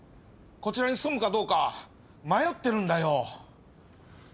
こちらに住むかどうか迷ってるんだよ。